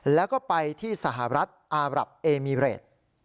แล้วก็ไปที่สหรัฐอารับเอมิเรต